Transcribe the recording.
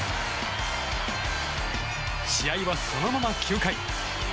試合はそのまま９回。